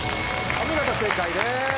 お見事正解です！